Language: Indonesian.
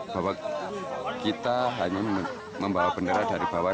bahwa kita hanya membawa bendera dari bawah